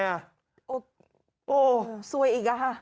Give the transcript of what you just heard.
โอ๊ยสวยอีกอ่ะฮะ